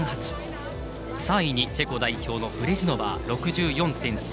３位にチェコ代表のブレジノバー６４．３１。